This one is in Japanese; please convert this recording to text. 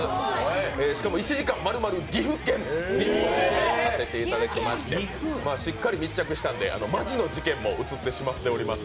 しかも１時間丸々岐阜県ということで、しっかり密着したんでマジの事件も映ってしまっております。